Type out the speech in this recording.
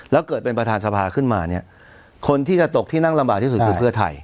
แล้วเกิดเป็นประธานสภาขึ้นมาเนี่ยคนที่จะตกที่นั่งลำบากที่สุดคือเพื่อไทย